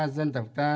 dân tộc ta